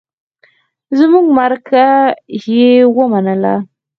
زمونږ مرکه يې ومنله.